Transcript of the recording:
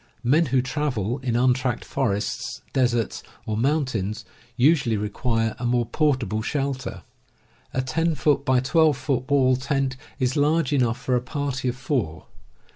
Men who travel in untracked forests, deserts, or moun tains, usually require a more portable shelter. A 10x1 2 foot wall tent is large enough for a party of four.